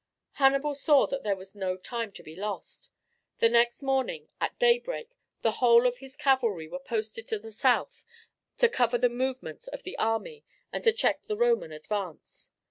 Hannibal saw that there was no time to be lost. The next morning, at daybreak, the whole of his cavalry were posted to the south to cover the movements of the army and to check the Roman advance.